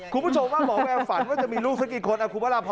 คุณผู้ชมว่าหมอแวร์ฝันก็จะมีลูกสักกี่คนอ่ะครูพระราภร